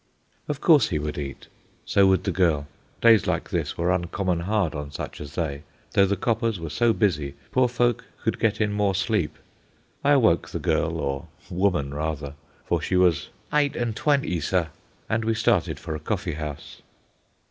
Of course he would eat; so would the girl. Days like this were uncommon hard on such as they, though the coppers were so busy poor folk could get in more sleep. I awoke the girl, or woman, rather, for she was "Eyght an' twenty, sir," and we started for a coffee house.